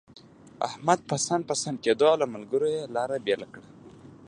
احمد پسن پسن کېدو، او له ملګرو يې لاره بېله کړه.